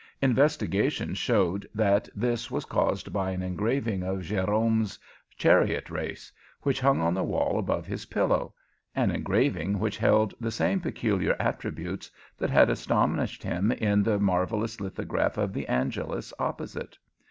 Investigation showed that this was caused by an engraving of Gérôme's "Chariot Race," which hung on the wall above his pillow an engraving which held the same peculiar attributes that had astonished him in the marvellous lithograph of "The Angelus" opposite.